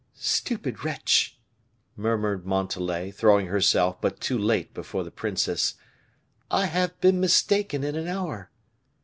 "Stupid wretch!" murmured Montalais, throwing herself, but too late, before the princess, "I have been mistaken in an hour!"